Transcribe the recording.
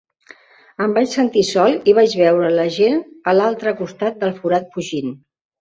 Em vaig sentir sol i vaig veure la gent a l'altre costat del forat fugint.